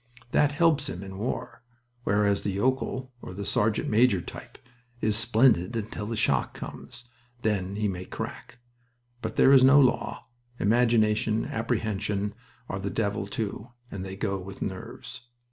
That helps him in war; whereas the yokel, or the sergeant major type, is splendid until the shock comes. Then he may crack. But there is no law. Imagination apprehension are the devil, too, and they go with 'nerves.'"